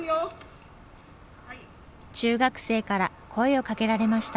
中学生から声をかけられました。